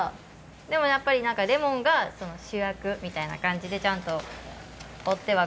でもやっぱりなんかレモンが主役みたいな感じでちゃんとおってはくれて。